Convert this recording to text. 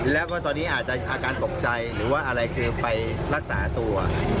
แล้วก็ตอนนี้อาจจะอาการตกใจหรือว่าอะไรคือไปรักษาตัว